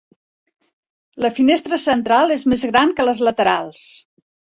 La finestra central és més gran que les laterals.